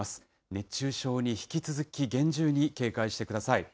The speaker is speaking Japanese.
熱中症に引き続き、厳重に警戒してください。